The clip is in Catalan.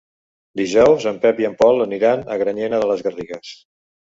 Dijous en Pep i en Pol aniran a Granyena de les Garrigues.